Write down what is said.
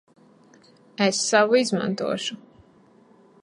Es savu izmantošu.